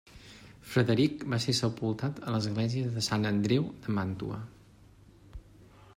Frederic va ser sepultat a l'església de sant Andreu de Màntua.